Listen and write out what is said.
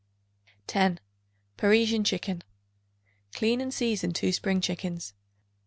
10. Parisian Chicken. Clean and season 2 spring chickens.